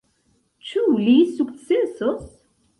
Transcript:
Ĉu li sukcesos?